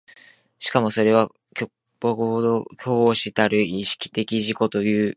しかもそれは虚幻の伴子たる意識的自己ということではなく、